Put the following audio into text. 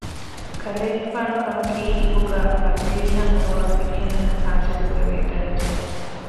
ކަލޭގެފާނު ކަމަކީ އިހުގައި މަޖިލީހަށް އަރުވާ ފިރިހެނުންނަށް ޙާޞިލްކުރެވޭ ދަރަޖައެއް